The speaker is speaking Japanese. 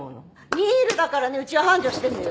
新琉だからねうちは繁盛してんのよ。